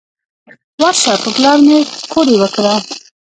ورشه په پلار مې کوډې وکړه.